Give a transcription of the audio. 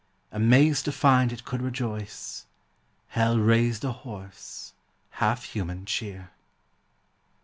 Amazed to find it could rejoice, Hell raised a hoarse, half human cheer.